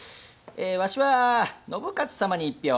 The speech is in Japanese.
ワシは信雄様に１票。